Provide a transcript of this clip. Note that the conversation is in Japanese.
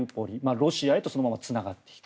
ロシアへとそのままつながっている。